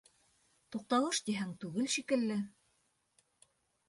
Туҡталыш тиһәң, түгел шикелле.